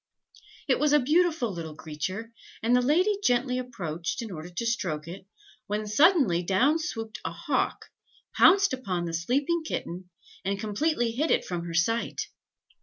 It was a beautiful little creature, and the lady gently approached, in order to stroke it, when suddenly down swooped a hawk, pounced upon the sleeping kitten, and completely hid it from her sight.